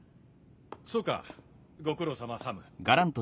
そうかご苦労さまサム。